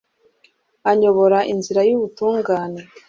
anyobora inzira y'ubutungane